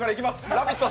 「ラヴィット！」